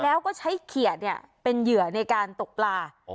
แล้วก็ใช้เขียดเป็นเหยื่อในการตกปลา